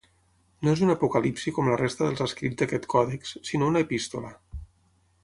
No és un Apocalipsi com la resta dels escrits d'aquest còdex, sinó una epístola.